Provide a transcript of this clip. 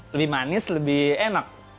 lebih manis lebih enak